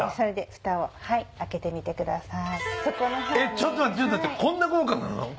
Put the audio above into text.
ちょっと待ってこんな豪華なの？